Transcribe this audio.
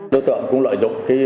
đối tượng cũng lợi dụng